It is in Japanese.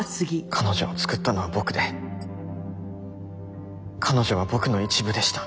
彼女を作ったのは僕で彼女は僕の一部でした。